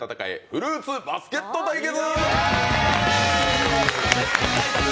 フルーツバスケット対決。